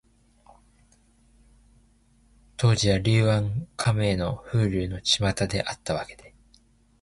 当時は、柳暗花明の風流のちまたであったわけで、